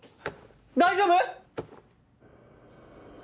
大丈夫？